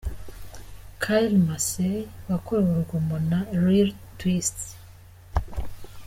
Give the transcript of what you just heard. Kyle Massey wakorewe urugomo na Lil Twist.